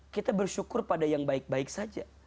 kita bersyukur pada yang baik baik saja